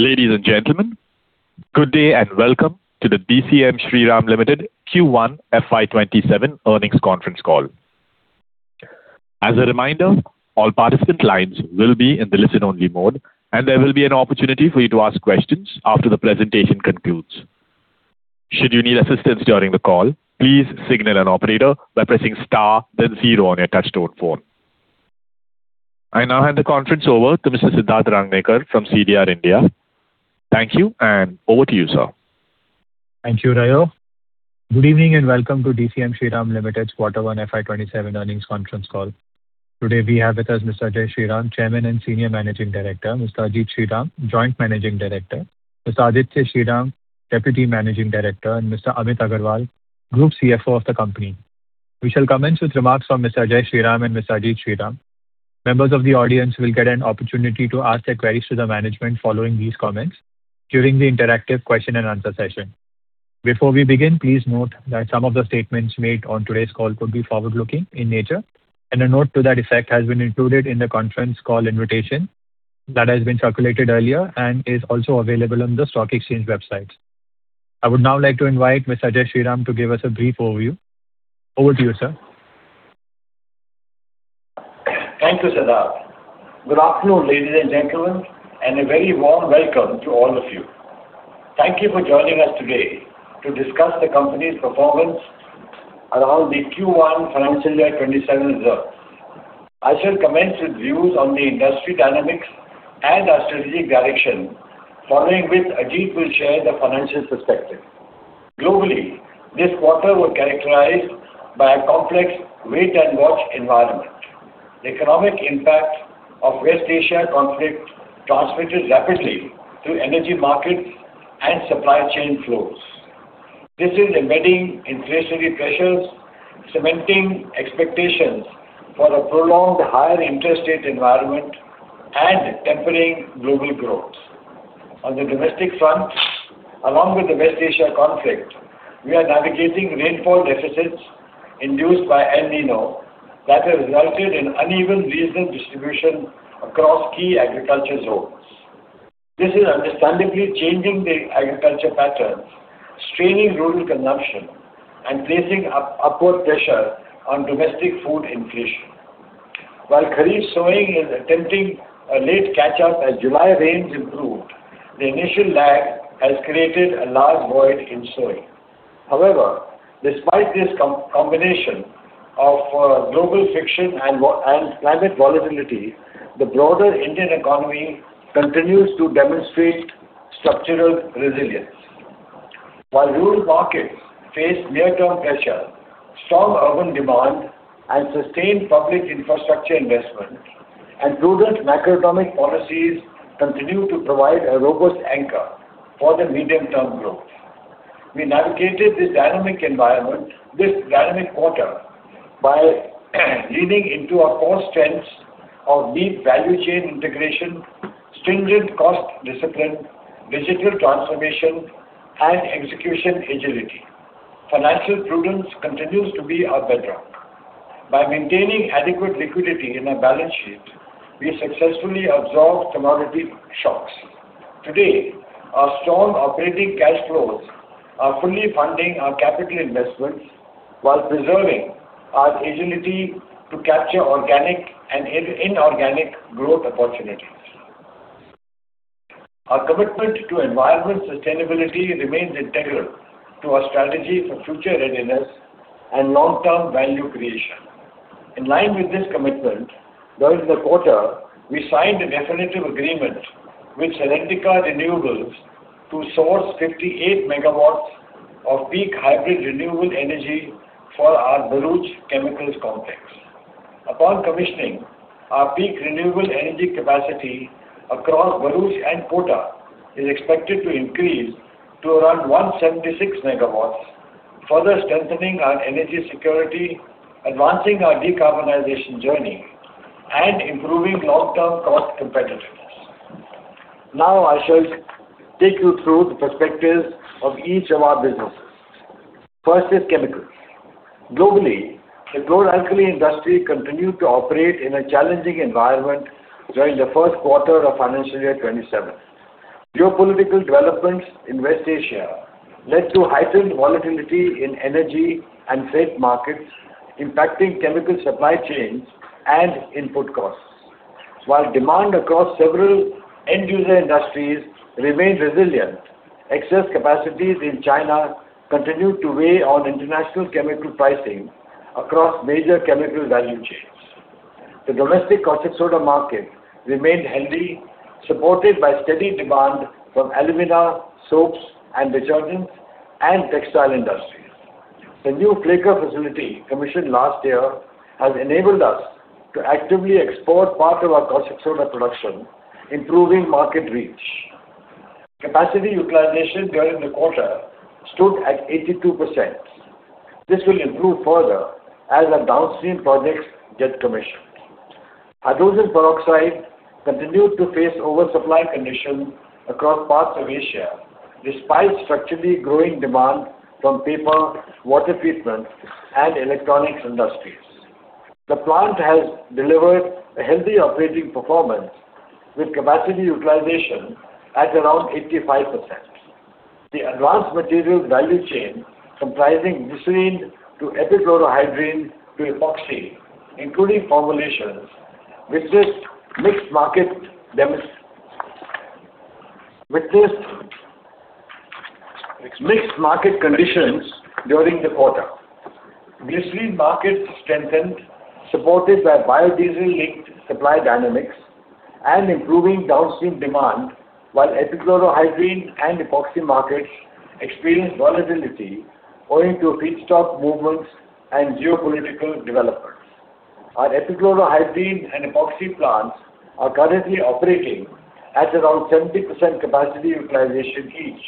Ladies and gentlemen, good day and welcome to the DCM Shriram Limited Q1 FY 2027 earnings conference call. As a reminder, all participant lines will be in the listen-only mode, there will be an opportunity for you to ask questions after the presentation concludes. Should you need assistance during the call, please signal an operator by pressing star then zero on your touch-tone phone. I now hand the conference over to Mr. Siddharth Rangnekar from CDR India. Thank you, and over to you, sir. Thank you, Rayo. Welcome to DCM Shriram Limited quarter one FY 2027 earnings conference call. Today we have with us Mr. Ajay Shriram, chairman and senior managing director, Mr. Ajit Shriram, joint managing director, Mr. Aditya Shriram, deputy managing director, and Mr. Amit Agarwal, group CFO of the company. We shall commence with remarks from Mr. Ajay Shriram and Mr. Ajit Shriram. Members of the audience will get an opportunity to ask their queries to the management following these comments during the interactive question-and-answer session. Before we begin, please note that some of the statements made on today's call could be forward-looking in nature, and a note to that effect has been included in the conference call invitation that has been circulated earlier and is also available on the stock exchange websites. I would now like to invite Mr. Ajay Shriram to give us a brief overview. Over to you, sir. Thank you, Siddharth. Good afternoon, ladies and gentlemen, a very warm welcome to all of you. Thank you for joining us today to discuss the company's performance around the Q1 financial year 2027 results. I shall commence with views on the industry dynamics and our strategic direction. Following which, Ajit will share the financial perspective. Globally, this quarter was characterized by a complex wait and watch environment. The economic impact of West Asia conflict transmitted rapidly through energy markets and supply chain flows. This is embedding inflationary pressures, cementing expectations for a prolonged higher interest rate environment. Tempering global growth. On the domestic front, along with the West Asia conflict, we are navigating rainfall deficits induced by El Niño that has resulted in uneven regional distribution across key agriculture zones. This is understandably changing the agriculture patterns, straining rural consumption, placing upward pressure on domestic food inflation. While kharif sowing is attempting a late catch-up as July rains improved, the initial lag has created a large void in sowing. Despite this combination of global friction and climate volatility, the broader Indian economy continues to demonstrate structural resilience. While rural markets face near-term pressure, strong urban demand and sustained public infrastructure investment, and prudent macroeconomic policies continue to provide a robust anchor for the medium-term growth. We navigated this dynamic quarter by leaning into our core strengths of deep value chain integration, stringent cost discipline, digital transformation, and execution agility. Financial prudence continues to be our bedrock. By maintaining adequate liquidity in our balance sheet, we successfully absorbed commodity shocks. Today, our strong operating cash flows are fully funding our capital investments while preserving our agility to capture organic and inorganic growth opportunities. Our commitment to environment sustainability remains integral to our strategy for future readiness and long-term value creation. In line with this commitment, during the quarter, we signed a definitive agreement with Serentica Renewables to source 58 MW of peak hybrid renewable energy for our Bharuch Chemicals Complex. Upon commissioning, our peak renewable energy capacity across Bharuch and Kota is expected to increase to around 176 MW, further strengthening our energy security, advancing our decarbonization journey, and improving long-term cost competitiveness. I shall take you through the perspectives of each of our businesses. First is chemicals. Globally, the chlor-alkali industry continued to operate in a challenging environment during the first quarter of FY 2027. Geopolitical developments in West Asia led to heightened volatility in energy and freight markets, impacting chemical supply chains and input costs. Demand across several end user industries remained resilient, excess capacities in China continued to weigh on international chemical pricing across major chemical value chains. The domestic caustic soda market remained healthy, supported by steady demand from alumina, soaps and detergents, and textile industries. The new flaker facility commissioned last year has enabled us to actively export part of our caustic soda production, improving market reach. Capacity utilization during the quarter stood at 82%. This will improve further as our downstream projects get commissioned. Hydrogen peroxide continued to face oversupply conditions across parts of Asia, despite structurally growing demand from paper, water treatment, and electronics industries. The plant has delivered a healthy operating performance, with capacity utilization at around 85%. The advanced materials value chain comprising glycerin to epichlorohydrin to epoxy, including formulations, witnessed mixed market conditions during the quarter. Glycerin markets strengthened, supported by biodiesel-linked supply dynamics and improving downstream demand, epichlorohydrin and epoxy markets experienced volatility owing to feedstock movements and geopolitical developments. Our epichlorohydrin and epoxy plants are currently operating at around 70% capacity utilization each,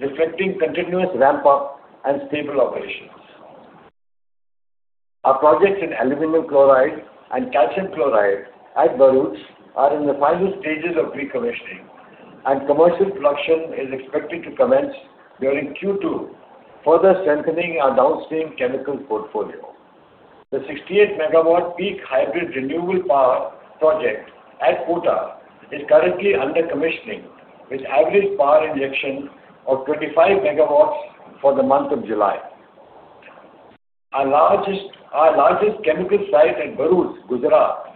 reflecting continuous ramp-up and stable operations. Our projects in aluminum chloride and calcium chloride at Bharuch are in the final stages of pre-commissioning, and commercial production is expected to commence during Q2, further strengthening our downstream chemical portfolio. The 68 MW peak hybrid renewable power project at Kota is currently under commissioning, with average power injection of 25 MW for the month of July. Our largest chemical site at Bharuch, Gujarat,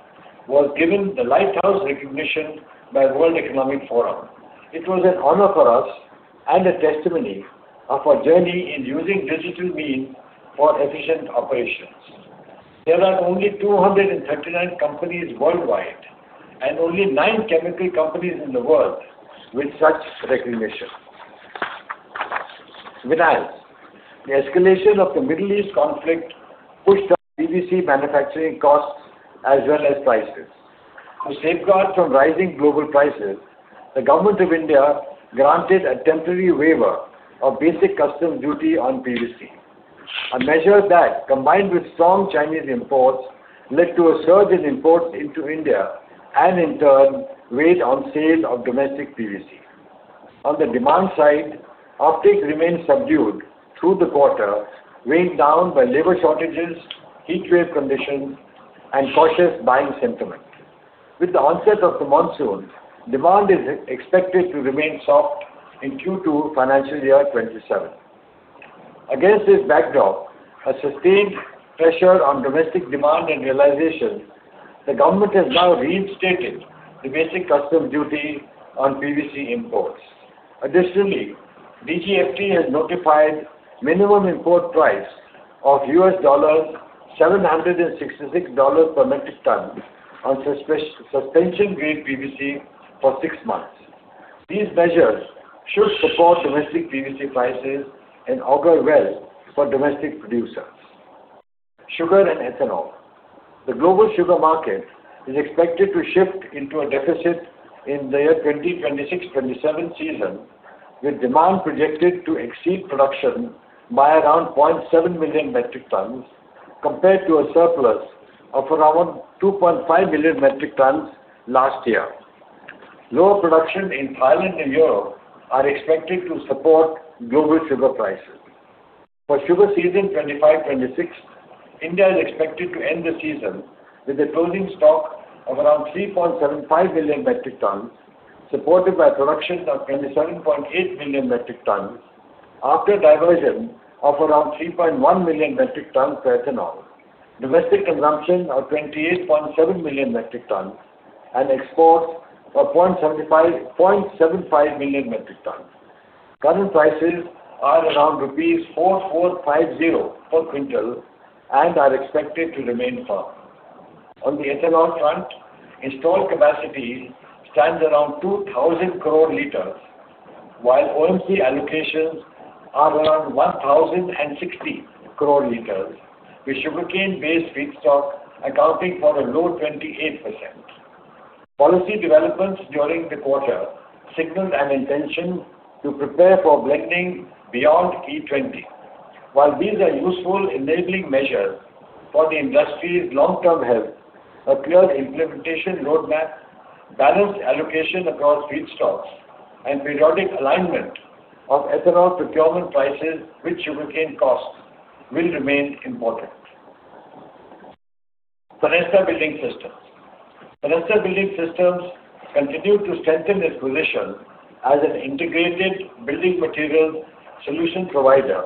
was given the Lighthouse recognition by World Economic Forum. It was an honor for us and a testimony of our journey in using digital means for efficient operations. There are only 239 companies worldwide and only nine chemical companies in the world with such recognition. Vinyls. The escalation of the Middle East conflict pushed up PVC manufacturing costs as well as prices. To safeguard from rising global prices, the Government of India granted a temporary waiver of basic customs duty on PVC, a measure that, combined with strong Chinese imports, led to a surge in imports into India and in turn weighed on sale of domestic PVC. On the demand side, uptake remained subdued through the quarter, weighed down by labor shortages, heat wave conditions, and cautious buying sentiment. With the onset of the monsoon, demand is expected to remain soft in Q2 FY 2027. Against this backdrop, a sustained pressure on domestic demand and realization, the government has now reinstated the basic customs duty on PVC imports. Additionally, DGFT has notified minimum import price of $766 per metric ton on suspension-grade PVC for six months. These measures should support domestic PVC prices and augur well for domestic producers. Sugar and ethanol. The global sugar market is expected to shift into a deficit in the year 2026/2027 season, with demand projected to exceed production by around 1.7 million metric tons, compared to a surplus of around 2.5 million metric tons last year. Lower production in Thailand and Europe are expected to support global sugar prices. For sugar season 2025/2026, India is expected to end the season with a closing stock of around 3.75 million metric tons, supported by production of 27.8 million metric tons after diversion of around 3.1 million metric tons to ethanol, domestic consumption of 28.7 million metric tons and exports of 0.75 million metric tons. Current prices are around rupees 4,450 per quintal and are expected to remain firm. On the ethanol front, installed capacity stands around 2,000 crore liters, while OMC allocations are around 1,060 crore liters, with sugarcane-based feedstock accounting for a low 28%. Policy developments during the quarter signal an intention to prepare for blending beyond E20. While these are useful enabling measures for the industry's long-term health, a clear implementation roadmap, balanced allocation across feedstocks, and periodic alignment of ethanol procurement prices with sugarcane costs will remain important. Fenesta Building Systems. Fenesta Building Systems continued to strengthen its position as an integrated building materials solution provider,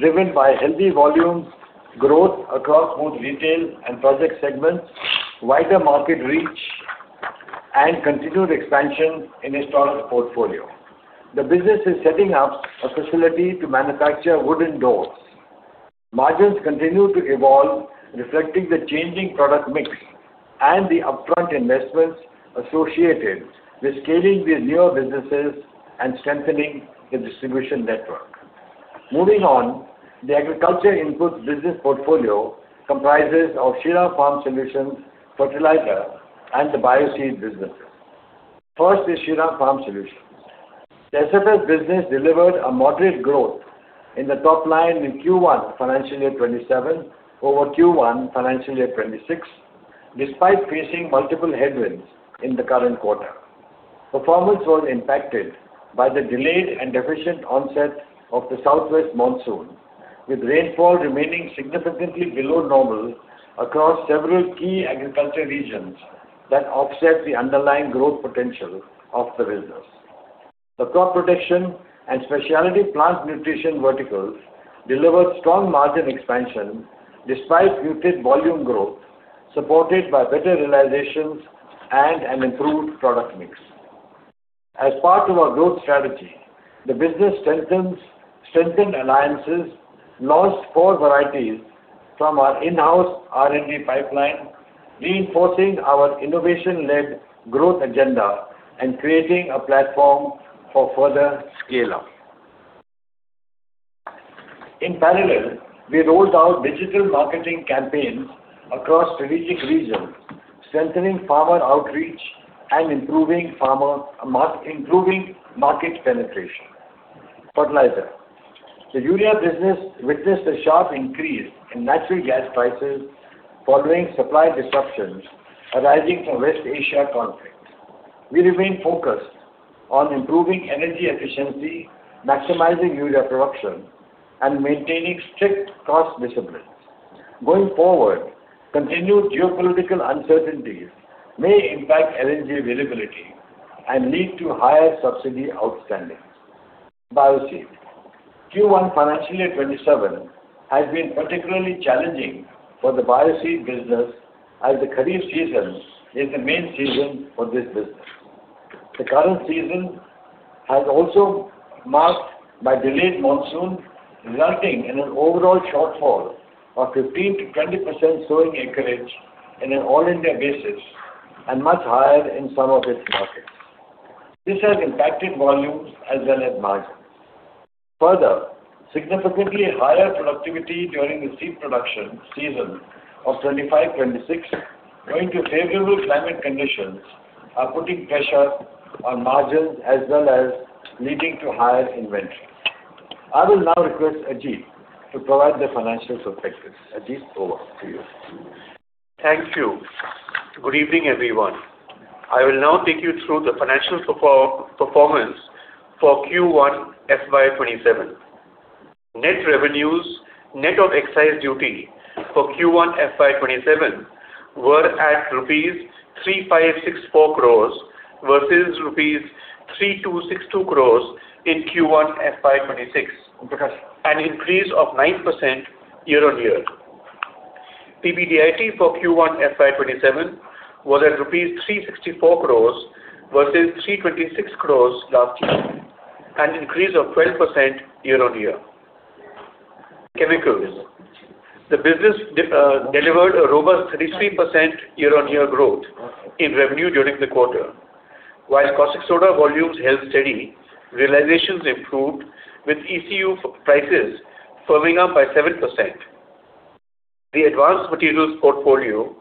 driven by healthy volume growth across both retail and project segments, wider market reach, and continued expansion in installed portfolio. The business is setting up a facility to manufacture wooden doors. Margins continue to evolve, reflecting the changing product mix and the upfront investments associated with scaling these newer businesses and strengthening the distribution network. Moving on, the agriculture inputs business portfolio comprises of Shriram Farm Solutions, fertilizer, and the Bioseed businesses. First is Shriram Farm Solutions. The SFS business delivered a moderate growth in the top line in Q1 FY 2027 over Q1 FY 2026, despite facing multiple headwinds in the current quarter. Performance was impacted by the delayed and deficient onset of the southwest monsoon, with rainfall remaining significantly below normal across several key agricultural regions that offset the underlying growth potential of the business. The crop protection and specialty plant nutrition verticals delivered strong margin expansion despite muted volume growth, supported by better realizations and an improved product mix. As part of our growth strategy, the business strengthened alliances, launched four varieties from our in-house R&D pipeline, reinforcing our innovation-led growth agenda and creating a platform for further scale-up. In parallel, we rolled out digital marketing campaigns across strategic regions, strengthening farmer outreach and improving market penetration. Fertilizer. The Urea business witnessed a sharp increase in natural gas prices following supply disruptions arising from West Asia conflict. We remain focused on improving energy efficiency, maximizing Urea production, and maintaining strict cost discipline. Going forward, continued geopolitical uncertainties may impact LNG availability and lead to higher subsidy outstanding. Bioseed. Q1 FY 2027 has been particularly challenging for the Bioseed business as the kharif season is the main season for this business. The current season has also been marked by delayed monsoon, resulting in an overall shortfall of 15%-20% sowing acreage in an all-India basis, and much higher in some of its markets. This has impacted volumes as well as margins. Further, significantly higher productivity during the seed production season of 2025/2026, owing to favorable climate conditions, are putting pressure on margins as well as leading to higher inventory. I will now request Ajit to provide the financial perspectives. Ajit, over to you. Thank you. Good evening, everyone. I will now take you through the financial performance for Q1 FY 2027. Net revenues, net of excise duty for Q1 FY 2027 were at rupees 3,564 crore, versus rupees 3,262 crore in Q1 FY 2026, an increase of 9% year-on-year. PBDIT for Q1 FY 2027 was at rupees 364 crore, versus 326 crore last year, an increase of 12% year-on-year. Chemicals. The business delivered a robust 33% year-on-year growth in revenue during the quarter. While caustic soda volumes held steady, realizations improved with ECU prices firming up by 7%. The advanced materials portfolio,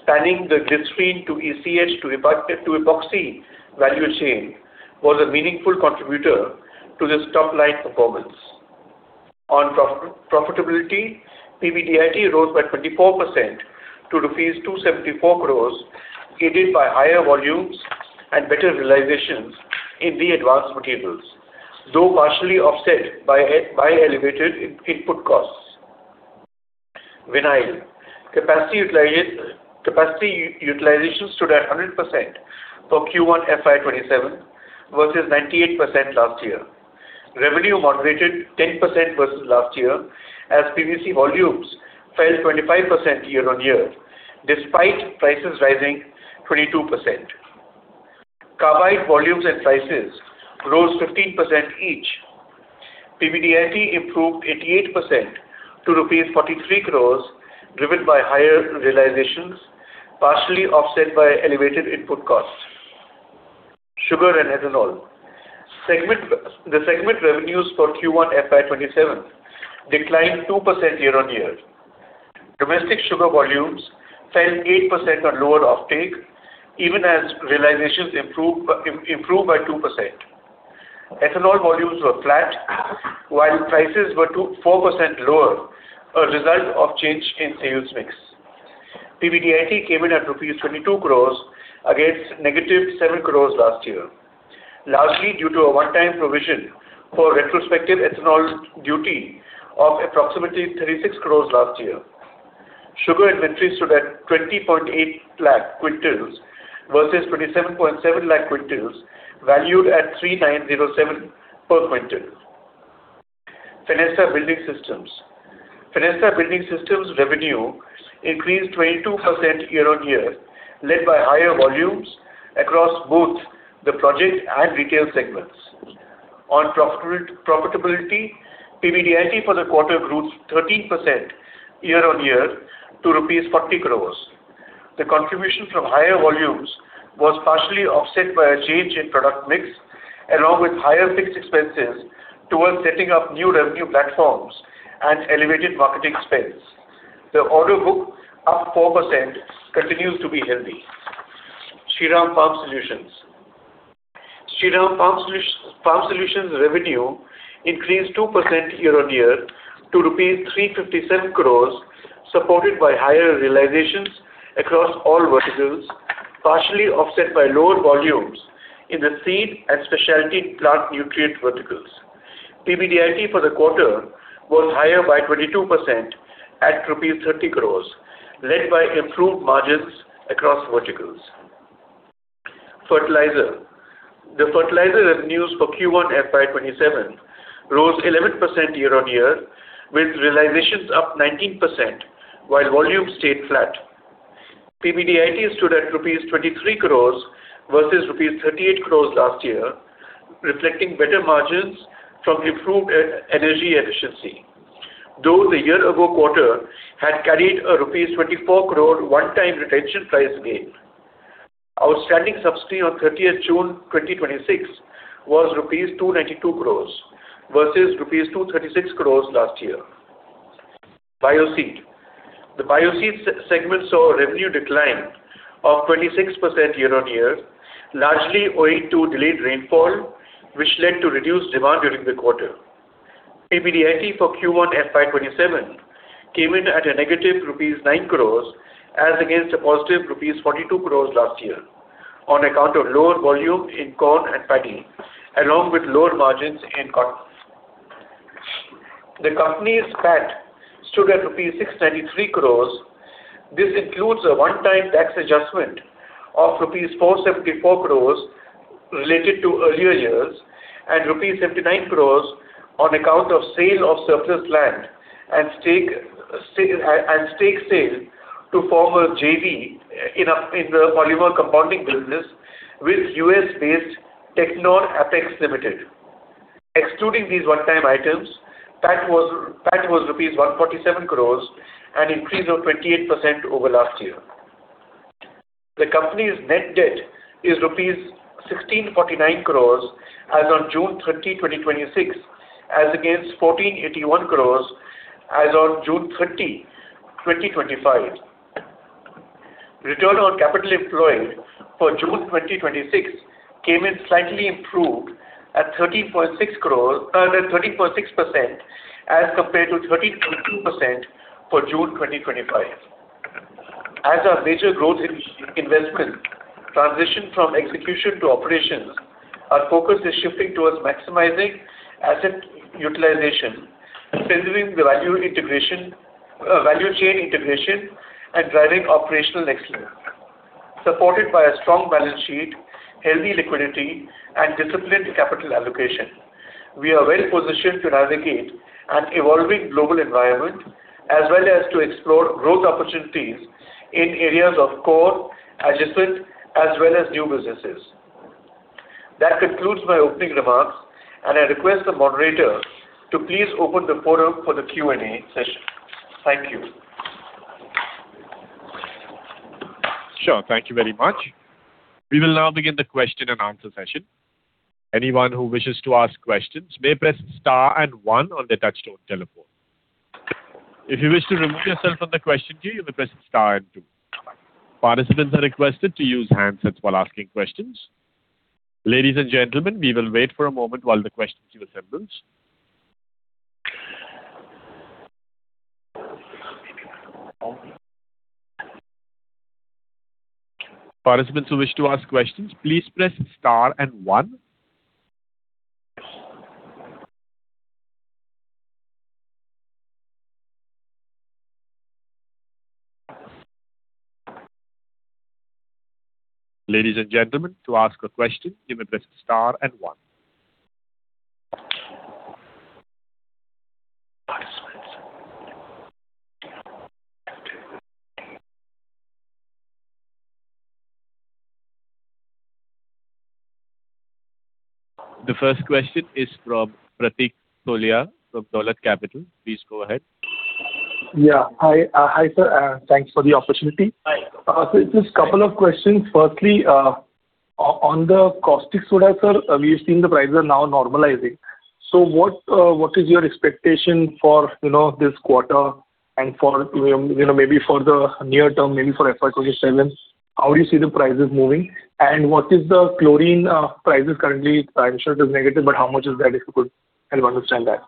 spanning the glycerin to ECH to epoxy value chain, was a meaningful contributor to this top line performance. On profitability, PBDIT rose by 24% to rupees 274 crore, aided by higher volumes and better realizations in the advanced materials, though partially offset by elevated input costs. Vinyl. Capacity utilization stood at 100% for Q1 FY 2027 versus 98% last year. Revenue moderated 10% versus last year as PVC volumes fell 25% year-on-year, despite prices rising 22%. Carbide volumes and prices rose 15% each. PBDIT improved 88% to rupees 43 crore, driven by higher realizations, partially offset by elevated input costs. Sugar and ethanol. The segment revenues for Q1 FY 2027 declined 2% year-on-year. Domestic sugar volumes fell 8% on lower offtake, even as realizations improved by 2%. Ethanol volumes were flat, while prices were 4% lower, a result of change in sales mix. PBDIT came in at rupees 22 crore against -7 crore last year, largely due to a one-time provision for retrospective ethanol duty of approximately 36 crore last year. Sugar inventory stood at 20.8 lakh quintals versus 27.7 lakh quintals, valued at 3,907 per quintal. Fenesta Building Systems. Fenesta Building Systems revenue increased 22% year-on-year, led by higher volumes across both the project and retail segments. On profitability, PBDIT for the quarter grew 13% year-on-year to rupees 40 crores. The contribution from higher volumes was partially offset by a change in product mix, along with higher fixed expenses towards setting up new revenue platforms and elevated marketing spends. The order book, up 4%, continues to be healthy. Shriram Farm Solutions. Shriram Farm Solutions revenue increased 2% year-on-year to rupees 357 crores Supported by higher realizations across all verticals, partially offset by lower volumes in the seed and specialty plant nutrient verticals. PBDIT for the quarter was higher by 22% at 30 crores rupees, led by improved margins across verticals. Fertilizer. The fertilizer revenues for Q1 FY 2027 rose 11% year-on-year, with realizations up 19%, while volumes stayed flat. PBDIT stood at rupees 23 crores versus rupees 38 crores last year, reflecting better margins from improved energy efficiency. Though the year ago quarter had carried a rupees 24 crore one-time retention price gain. Outstanding subsidy on June 30th, 2026 was rupees 292 crores versus rupees 236 crores last year. Bioseed. The Bioseed segment saw a revenue decline of 26% year-on-year, largely owing to delayed rainfall, which led to reduced demand during the quarter. PBDIT for Q1 FY 2027 came in at a -9 crores rupees as against a +42 crores rupees last year, on account of lower volume in corn and paddy, along with lower margins in cotton. The company's PAT stood at rupees 693 crores. This includes a one-time tax adjustment of rupees 474 crores related to earlier years and rupees 79 crores on account of sale of surplus land and stake sale to form a JV in the polymer compounding business with U.S.-based Teknor Apex Limited. Excluding these one-time items, PAT was rupees 147 crores, an increase of 28% over last year. The company's net debt is INR 1,649 crores as on June 30, 2026, as against 1,481 crores as on June 30, 2025. Return on capital employed for June 2026 came in slightly improved at 30.6% as compared to 32.2% for June 2025. As our major growth investment transition from execution to operations, our focus is shifting towards maximizing asset utilization, centering the value chain integration, and driving operational excellence. Supported by a strong balance sheet, healthy liquidity, and disciplined capital allocation, we are well-positioned to navigate an evolving global environment as well as to explore growth opportunities in areas of core adjacent as well as new businesses. That concludes my opening remarks. I request the moderator to please open the forum for the Q&A session. Thank you. Sure. Thank you very much. We will now begin the question-and-answer session. Anyone who wishes to ask questions may press star and one on their touch-tone telephone. If you wish to remove yourself from the question queue, you may press star and two. Participants are requested to use handsets while asking questions. Ladies and gentlemen, we will wait for a moment while the questions queue assembles. Participants who wish to ask questions, please press star and one. Ladies and gentlemen, to ask a question, you may press star and one. Participants. The first question is from Prateek Tolia of Dolat Capital. Please go ahead. Hi, sir. Thanks for the opportunity. Hi. It's just a couple of questions. Firstly, on the caustic soda, sir, we have seen the prices are now normalizing. What is your expectation for this quarter and maybe for the near term, maybe for FY 2027? How do you see the prices moving? What is the chlorine prices currently? I'm sure it is negative, but how much is that, if you could help understand that?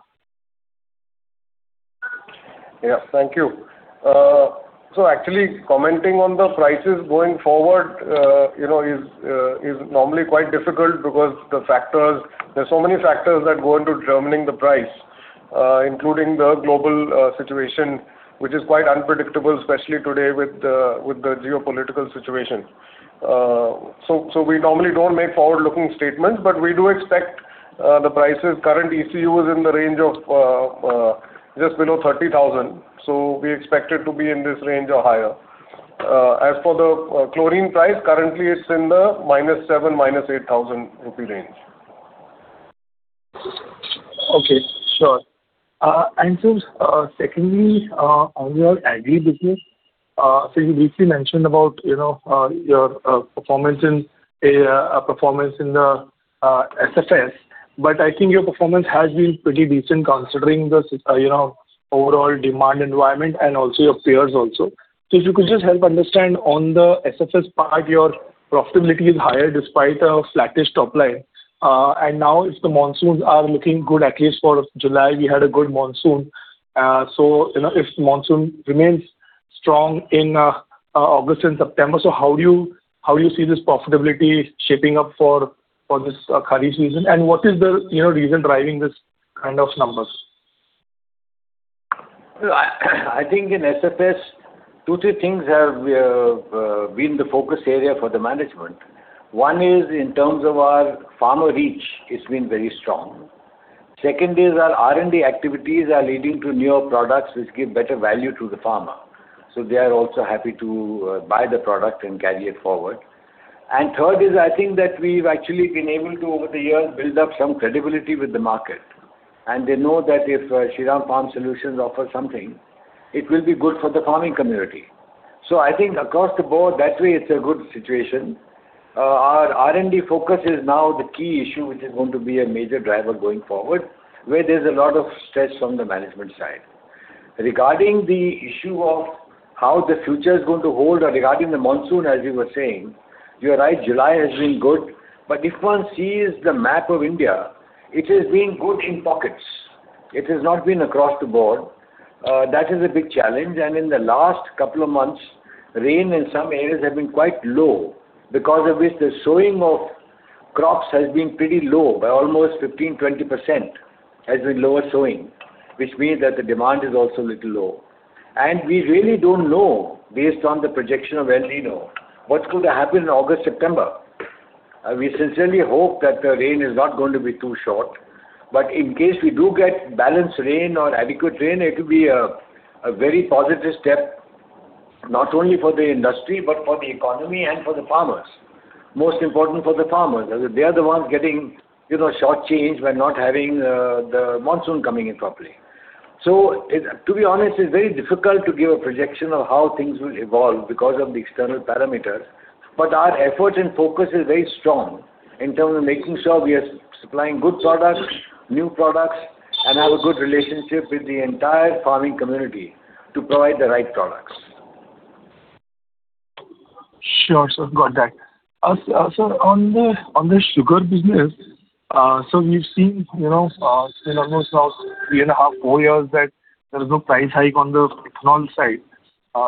Thank you. Actually, commenting on the prices going forward is normally quite difficult because there's so many factors that go into determining the price, including the global situation, which is quite unpredictable, especially today with the geopolitical situation. We normally don't make forward-looking statements, but we do expect the prices, current ECU is in the range of just below 30,000. We expect it to be in this range or higher. As for the chlorine price, currently it's in the -7,000, -8,000 rupee range. Okay. Sure. Sir, secondly, on your agri business. You briefly mentioned about your performance in the SFS, but I think your performance has been pretty decent considering the overall demand environment and also your peers also. If you could just help understand on the SFS part, your profitability is higher despite a flattish top line. Now if the monsoons are looking good, at least for July, we had a good monsoon. If monsoon remains strong in August and September, how do you see this profitability shaping up for this kharif season? What is the reason driving these kind of numbers? I think in SFS, two, three things have been the focus area for the management. One is in terms of our farmer reach, it's been very strong. Second is our R&D activities are leading to newer products which give better value to the farmer. They are also happy to buy the product and carry it forward. Third is, I think that we've actually been able to, over the years, build up some credibility with the market, and they know that if Shriram Farm Solutions offers something, it will be good for the farming community. I think across the board, that way it's a good situation. Our R&D focus is now the key issue, which is going to be a major driver going forward, where there's a lot of stress from the management side. Regarding the issue of how the future is going to hold or regarding the monsoon, as you were saying, you are right, July has been good. If one sees the map of India, it has been good in pockets. It has not been across the board. That is a big challenge. In the last couple of months, rain in some areas has been quite low, because of which the sowing of crops has been pretty low by almost 15%-20%, as with lower sowing, which means that the demand is also little low. We really don't know, based on the projection of El Niño, what's going to happen in August, September. We sincerely hope that the rain is not going to be too short, but in case we do get balanced rain or adequate rain, it will be a very positive step, not only for the industry but for the economy and for the farmers. Most important for the farmers, as they are the ones getting short-changed by not having the monsoon coming in properly. To be honest, it's very difficult to give a projection of how things will evolve because of the external parameters. Our effort and focus is very strong in terms of making sure we are supplying good products, new products, and have a good relationship with the entire farming community to provide the right products. Sure, sir. Got that. Sir, on the sugar business, we've seen it's been almost now three and a half, four years that there is no price hike on the ethanol side.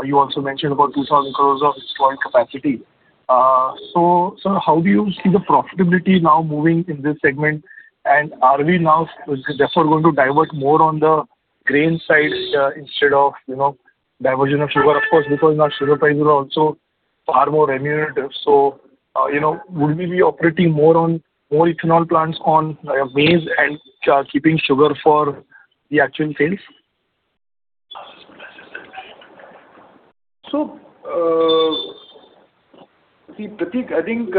You also mentioned about 2,000 crore of installed capacity. Sir, how do you see the profitability now moving in this segment? Are we now therefore going to divert more on the grain side instead of diversion of sugar? Of course, because now sugar prices are also far more remunerative. Would we be operating more ethanol plants on maize and keeping sugar for the actual sales? Prateek, I think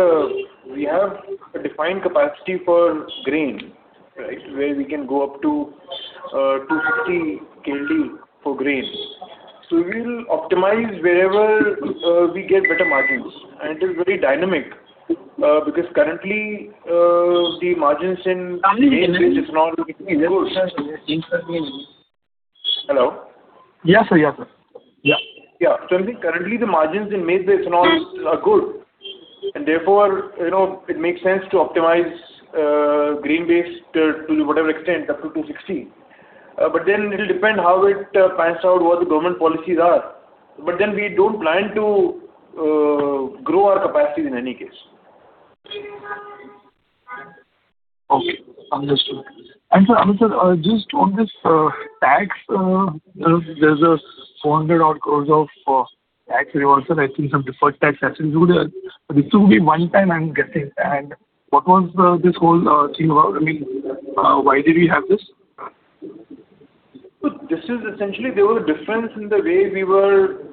we have a defined capacity for grain, right, where we can go up to 250 KLD for grain. We will optimize wherever we get better margins. It is very dynamic because currently the margins in maize-based ethanol- Hello? Yeah, sir. I think currently the margins in maize-based ethanol are good and therefore it makes sense to optimize grain-based to whatever extent, up to 260. It'll depend how it pans out, what the government policies are. We don't plan to grow our capacity in any case. Okay. Understood. Sir, just on this tax, there's 400 crore of tax reversal. I think some deferred tax has included. This will be one-time, I'm guessing. What was this whole thing about? Why did we have this? This is essentially there was a difference in the way we were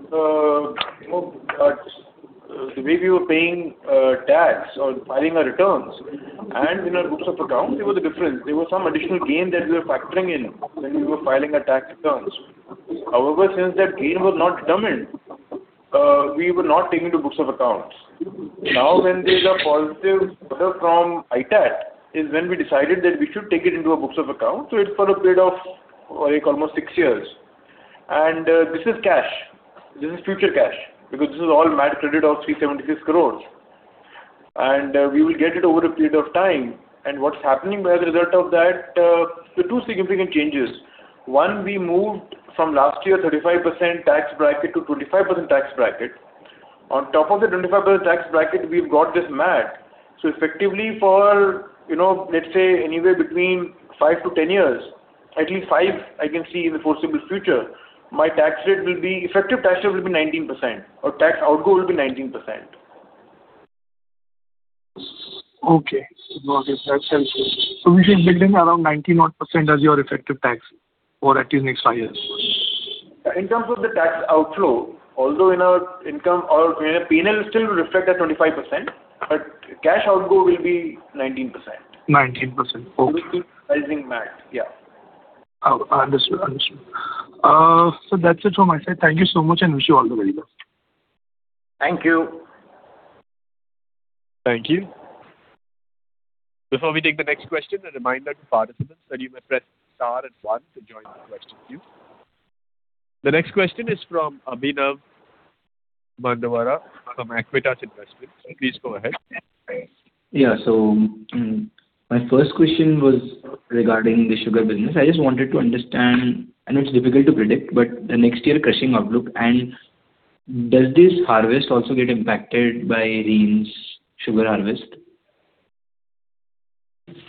paying tax or filing our returns. In our books of account, there was a difference. There was some additional gain that we were factoring in when we were filing our tax returns. However, since that gain was not determined, we were not taking to books of accounts. Now, when there's a positive order from ITAT is when we decided that we should take it into our books of account. It's for a period of almost six years. This is cash. This is future cash because this is all MAT credit of 376 crore. We will get it over a period of time. What's happening by the result of that, there are two significant changes. One, we moved from last year, 35% tax bracket to 25% tax bracket. On top of the 25% tax bracket, we've got this MAT. Effectively for, let's say anywhere between five to 10 years, at least five I can see in the foreseeable future, my effective tax rate will be 19%, or tax outflow will be 19%. Okay. That helps. We should build in around 19-odd% as your effective tax for at least next five years. In terms of the tax outflow, although in our P&L it still reflect at 25%, cash outflow will be 19%. 19%. Okay. We'll be utilizing MAT. Yeah. Understood. Sir, that's it from my side. Thank you so much, wish you all the very best. Thank you. Thank you. Before we take the next question, a reminder to participants that you may press star and one to join the question queue. The next question is from Abhinav Mandowara from Aequitas Investments. Please go ahead. Yeah. My first question was regarding the sugar business. I just wanted to understand, I know it's difficult to predict, but the next year crushing outlook. Does this harvest also get impacted by rains sugar harvest?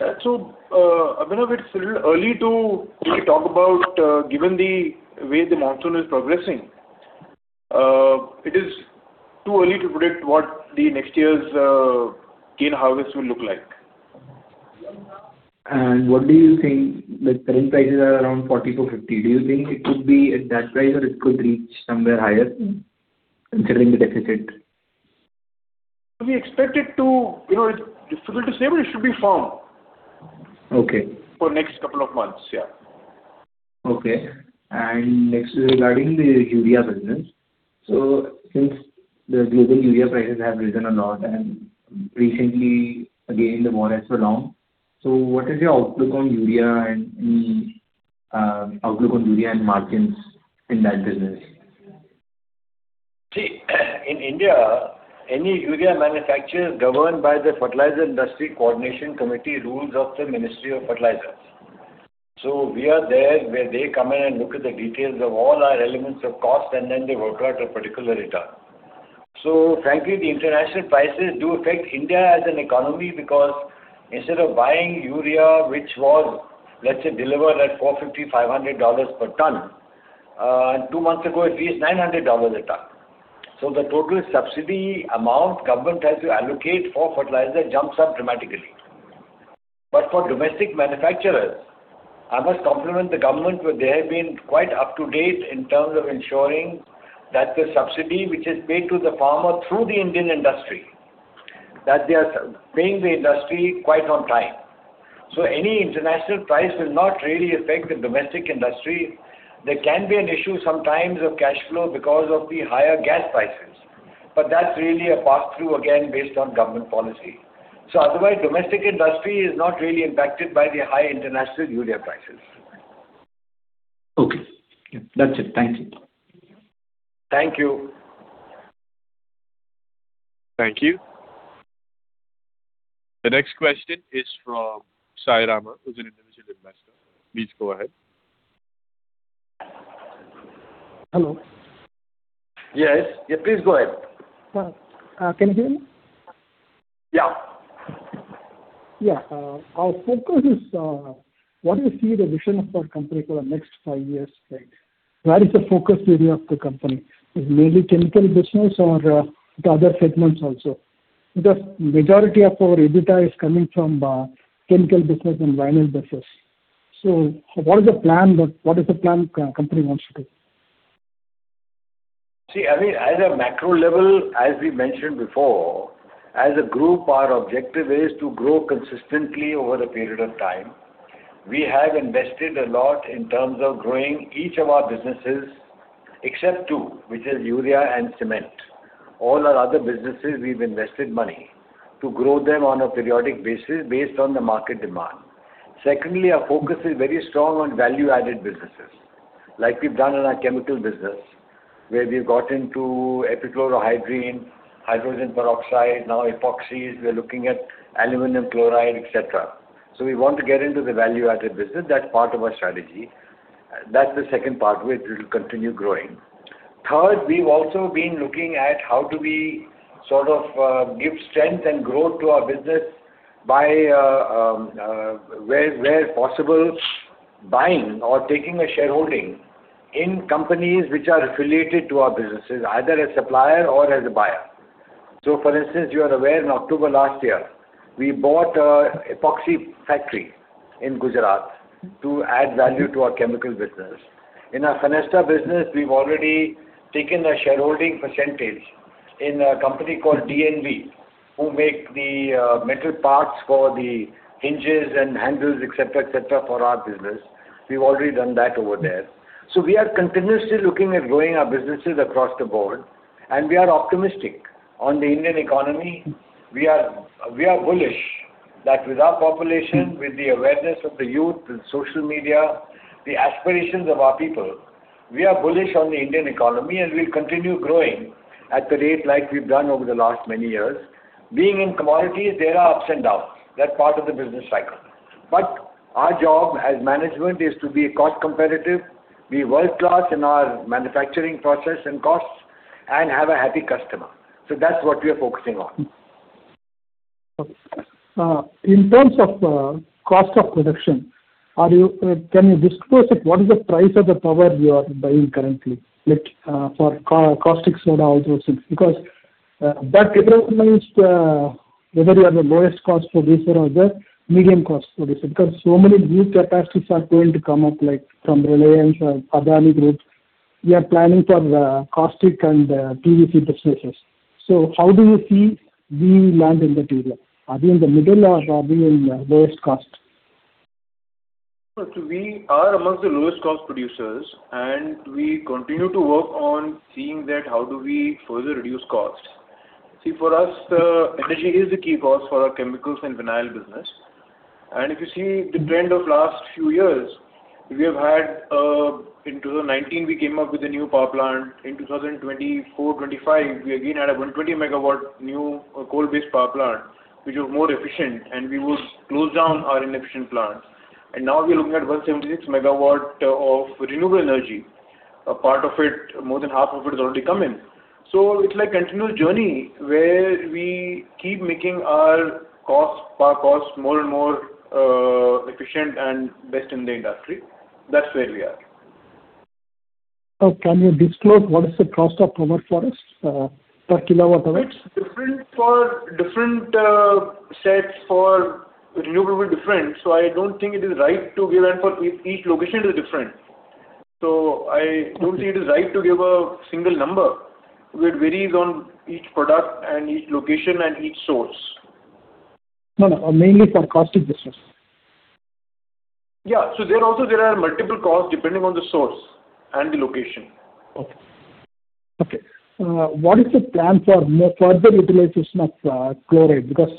Abhinav, it's a little early to really talk about, given the way the monsoon is progressing. It is too early to predict what the next year's cane harvest will look like. What do you think the current prices are around 40-50? Do you think it could be at that price, or it could reach somewhere higher considering the deficit? It's difficult to say, but it should be firm. Okay. For next couple of months, yeah. Next is regarding the urea business. Since the global urea prices have risen a lot, recently, again, the war has prolonged. What is your outlook on urea and margins in that business? In India, any urea manufacture is governed by the Fertilizer Industry Coordination Committee rules of the Ministry of Fertilizers. We are there, where they come in and look at the details of all our elements of cost, then they work out a particular return. Frankly, the international prices do affect India as an economy because instead of buying urea, which was, let's say, delivered at 450, INR 500 per tonne. Two months ago, it reached INR 900 a tonne. The total subsidy amount Government has to allocate for fertilizer jumps up dramatically. For domestic manufacturers, I must compliment the Government where they have been quite up to date in terms of ensuring that the subsidy, which is paid to the farmer through the Indian industry, that they are paying the industry quite on time. Any international price will not really affect the domestic industry. There can be an issue sometimes of cash flow because of the higher gas prices. That's really a pass-through, again, based on Government policy. Otherwise, domestic industry is not really impacted by the high international urea prices. Okay. That's it. Thank you. Thank you. Thank you. The next question is from Sai Rama, who is an individual investor. Please go ahead. Hello. Yes. Please go ahead. Can you hear me? Yeah. Yeah. Our focus is, what do you see the vision of our company for the next five years like? Where is the focus area of the company? Is it mainly chemical business or the other segments also? Because majority of our EBITDA is coming from chemical business and vinyl business. What is the plan company wants to take? See, at a macro level, as we mentioned before, as a group, our objective is to grow consistently over a period of time. We have invested a lot in terms of growing each of our businesses, except two, which is urea and cement. All our other businesses we've invested money to grow them on a periodic basis based on the market demand. Secondly, our focus is very strong on value-added businesses, like we've done in our chemical business, where we've got into epichlorohydrin, hydrogen peroxide, now epoxies. We're looking at aluminum chloride, et cetera. We want to get into the value-added business. That's part of our strategy. That's the second part, which we'll continue growing. Third, we've also been looking at how do we give strength and growth to our business by where possible, buying or taking a shareholding in companies which are affiliated to our businesses, either as supplier or as a buyer. For instance, you are aware in October last year, we bought an epoxy factory in Gujarat to add value to our chemical business. In our Fenesta business, we've already taken a shareholding percentage in a company called DNV, who make the metal parts for the hinges and handles, et cetera, for our business. We've already done that over there. We are continuously looking at growing our businesses across the board, and we are optimistic on the Indian economy. We are bullish that with our population, with the awareness of the youth and social media, the aspirations of our people, we are bullish on the Indian economy and we'll continue growing at the rate like we've done over the last many years. Being in commodities, there are ups and downs. That's part of the business cycle. Our job as management is to be cost competitive, be world-class in our manufacturing process and costs, and have a happy customer. That's what we are focusing on. In terms of cost of production, can you disclose what is the price of the power you are buying currently for caustic soda, all those things? That determines whether you are the lowest cost producer or the medium cost producer. So many new capacities are going to come up, like from Reliance or Adani Group. We are planning for caustic and PVC businesses. How do you see we land in that area? Are we in the middle or are we in lowest cost? We are amongst the lowest cost producers, and we continue to work on seeing that how do we further reduce costs. See, for us, energy is the key cost for our chemicals and vinyl business. If you see the trend of last few years, in 2019, we came up with a new power plant. In 2024, 2025, we again had a 120 MW new coal-based power plant, which was more efficient, and we would close down our inefficient plants. Now we're looking at 176 MW of renewable energy. More than half of it has already come in. It's like a continuous journey where we keep making our power cost more and more efficient and best in the industry. That's where we are. Can you disclose what is the cost of power for us per kWh? It's different for different sets, for renewable different, I don't think it is right to give that. For each location it is different. I don't think it is right to give a single number. It varies on each product and each location and each source. No. Mainly for caustic business. Yeah. There also, there are multiple costs depending on the source and the location. Okay. What is the plan for more further utilization of chloride? Because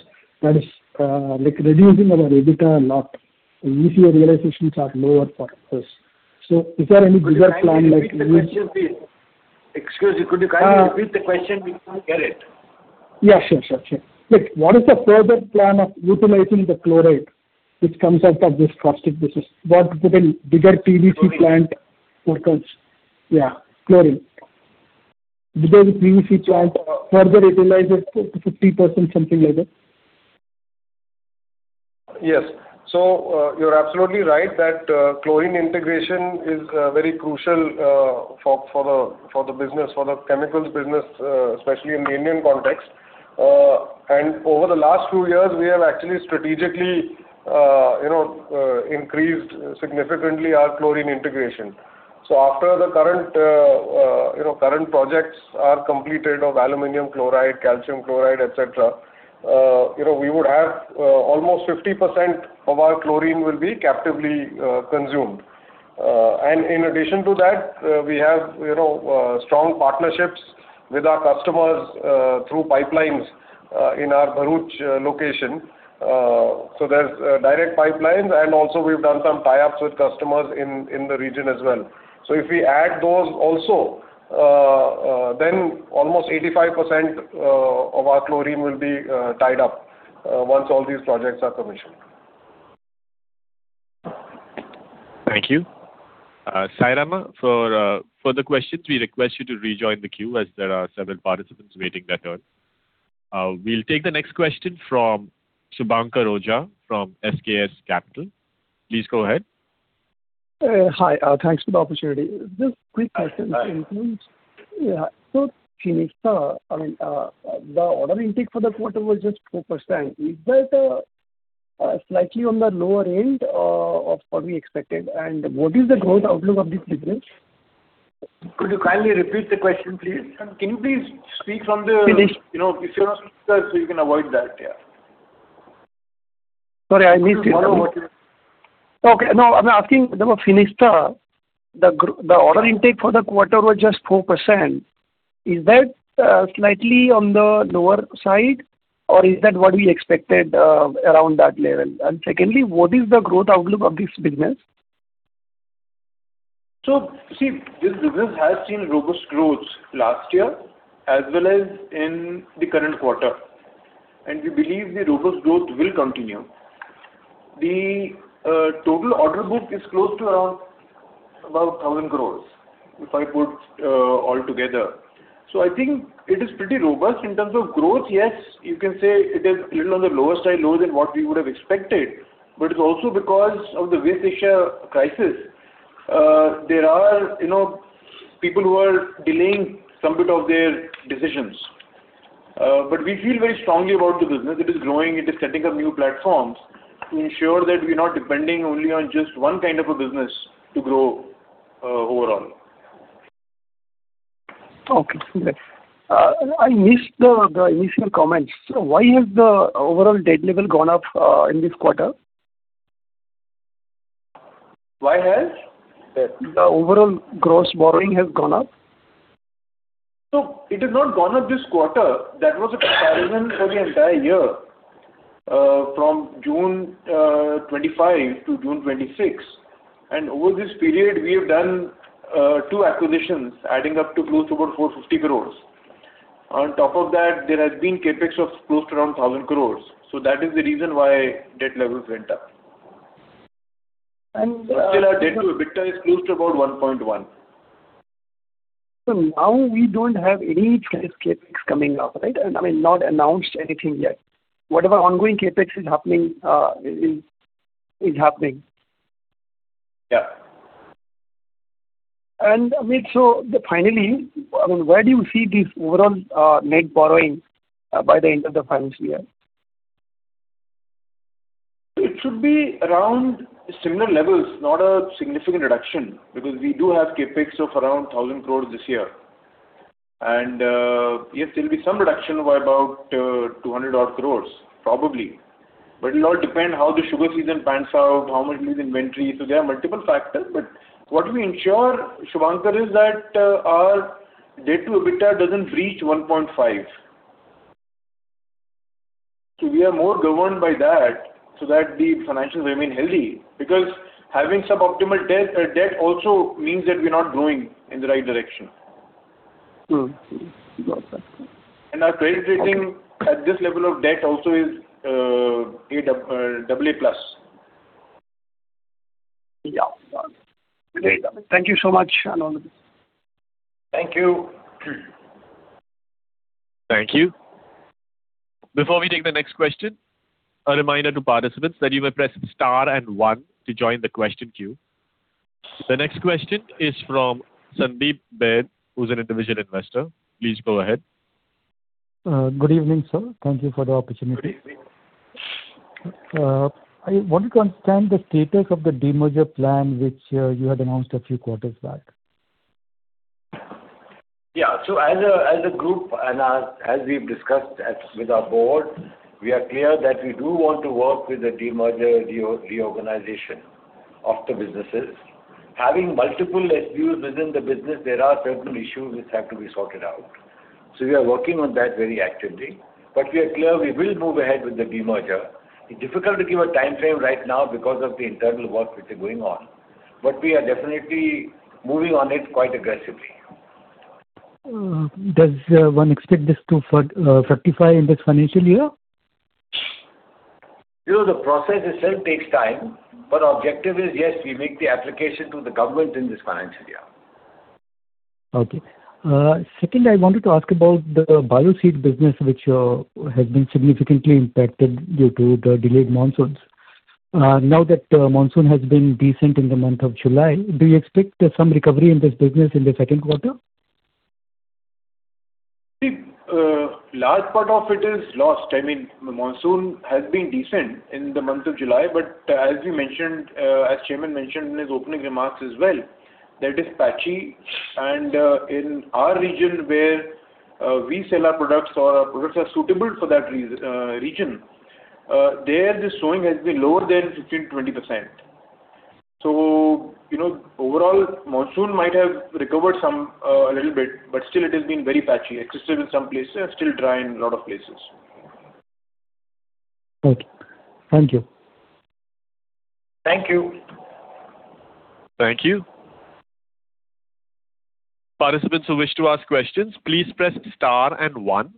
that is reducing our EBITDA a lot. ECH realizations are lower for us. Is there any bigger plan like? Could you kindly repeat the question, please? Excuse me, could you kindly repeat the question? We didn't get it. Yeah, sure. What is the further plan of utilizing the chlorine which comes out of this caustic business? Put in bigger PVC plant- Chlorine. Yeah, chlorine. Bigger PVC plant, further utilize it to 50%, something like that. Yes. You're absolutely right, that chlorine integration is very crucial for the chemicals business, especially in the Indian context. Over the last few years, we have actually strategically increased significantly our chlorine integration. After the current projects are completed of aluminum chloride, calcium chloride, et cetera, almost 50% of our chlorine will be captively consumed. In addition to that, we have strong partnerships with our customers through pipelines in our Bharuch location. There's direct pipelines and also we've done some tie-ups with customers in the region as well. If we add those also, then almost 85% of our chlorine will be tied up once all these projects are commissioned. Thank you. Sai Rama, for further questions, we request you to rejoin the queue as there are several participants waiting their turn. We'll take the next question from Subhankar Ojha from SKS Capital. Please go ahead. Hi, thanks for the opportunity. Just quick question. Hi. Fenesta, the order intake for the quarter was just 4%. Is that slightly on the lower end of what we expected? What is the growth outlook of this business? Could you kindly repeat the question, please? Fenista You can avoid that. Yeah. Sorry, I missed it. Could you follow what you- Okay. No, I'm asking about Fenesta. The order intake for the quarter was just 4%. Is that slightly on the lower side, or is that what we expected around that level? Secondly, what is the growth outlook of this business? See, this business has seen robust growth last year as well as in the current quarter. We believe the robust growth will continue. The total order book is close to around 1,000 crores, if I put all together. I think it is pretty robust. In terms of growth, yes, you can say it is a little on the lower side, lower than what we would have expected, but it's also because of the West Asia crisis. There are people who are delaying some bit of their decisions. We feel very strongly about the business. It is growing. It is setting up new platforms to ensure that we're not depending only on just one kind of a business to grow overall. Okay. I missed the initial comments. Why has the overall debt level gone up in this quarter? Why has? The overall gross borrowing has gone up. It has not gone up this quarter. That was a comparison for the entire year, from June 2025 to June 2026. Over this period, we have done two acquisitions adding up to close to about 450 crore. On top of that, there has been CapEx of close to around 1,000 crore. That is the reason why debt levels went up. And- Still our debt to EBITDA is close to about 1.1. Now we don't have any serious CapEx coming up, right? I mean, not announced anything yet. Whatever ongoing CapEx is happening, is happening. Yeah. Finally, where do you see this overall net borrowing by the end of the financial year? It should be around similar levels, not a significant reduction, because we do have CapEx of around 1,000 crore this year. Yes, there'll be some reduction by about 200 crore probably. It'll all depend how the sugar season pans out, how much it is inventory. There are multiple factors. What we ensure, Subhankar, is that our debt to EBITDA doesn't reach 1.5 We are more governed by that so that the financials remain healthy because having suboptimal debt also means that we're not growing in the right direction. Got that. Our credit rating at this level of debt also is AA+. Yeah. Great. Thank you so much, Amit. Thank you. Thank you. Before we take the next question, a reminder to participants that you may press star and one to join the question queue. The next question is from Sandeep Jain, who's an individual investor. Please go ahead. Good evening, sir. Thank you for the opportunity. Good evening. I want to understand the status of the demerger plan which you had announced a few quarters back. As a group, and as we've discussed with our board, we are clear that we do want to work with the demerger reorganization of the businesses. Having multiple SBUs within the business, there are certain issues which have to be sorted out. We are working on that very actively. We are clear we will move ahead with the demerger. It's difficult to give a timeframe right now because of the internal work which is going on, but we are definitely moving on it quite aggressively. Does one expect this to fructify in this financial year? The process itself takes time, but our objective is, yes, we make the application to the government in this financial year. Okay. Second, I wanted to ask about the Bioseed business which has been significantly impacted due to the delayed monsoons. Now that monsoon has been decent in the month of July, do you expect some recovery in this business in the second quarter? Large part of it is lost. Monsoon has been decent in the month of July, but as Chairman mentioned in his opening remarks as well, that it's patchy and in our region where we sell our products or our products are suitable for that region, there the sowing has been lower than 15%-20%. Overall, monsoon might have recovered a little bit, but still it has been very patchy. Excessive in some places, still dry in a lot of places. Okay. Thank you. Thank you. Thank you. Participants who wish to ask questions, please press star and one.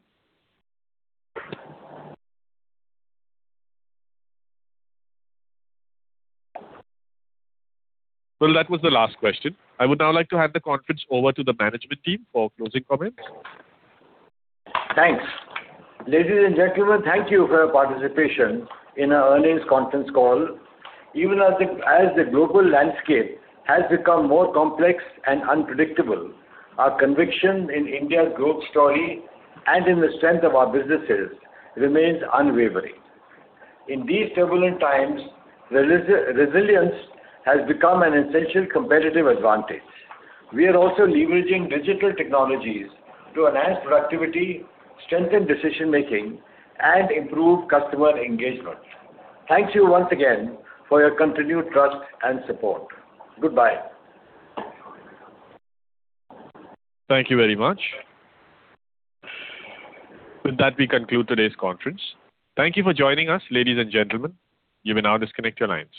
Well, that was the last question. I would now like to hand the conference over to the management team for closing comments. Thanks. Ladies and gentlemen, thank you for your participation in our earnings conference call. Even as the global landscape has become more complex and unpredictable, our conviction in India's growth story and in the strength of our businesses remains unwavering. In these turbulent times, resilience has become an essential competitive advantage. We are also leveraging digital technologies to enhance productivity, strengthen decision-making, and improve customer engagement. Thank you once again for your continued trust and support. Goodbye. Thank you very much. With that, we conclude today's conference. Thank you for joining us, ladies and gentlemen. You may now disconnect your lines.